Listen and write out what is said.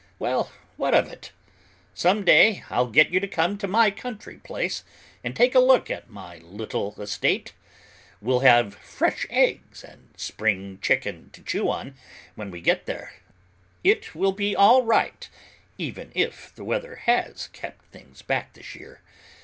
Well, what of it? Some day I'll get you to come to my country place and take a look at my little estate. We'll have fresh eggs and spring chicken to chew on when we get there; it will be all right even if the weather has kept things back this year.